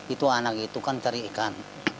itu anak itu kan cari ikan